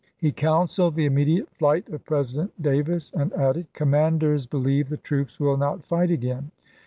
He counseled the immediate flight of President Davis, and added, "Commanders believe the troops will not fight again."